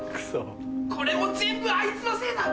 これも全部あいつのせいだ。